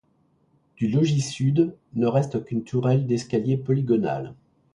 Du logis sud, ne reste qu'une tourelle d'escalier polygonale.